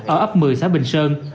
ở ấp một mươi xã bình sơn